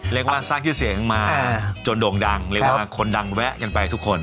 เรียกว่าสร้างชื่อเสียงมาจนโด่งดังเรียกว่าคนดังแวะกันไปทุกคน